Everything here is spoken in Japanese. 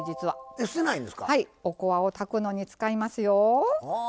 はいおこわを炊くのに使いますよ。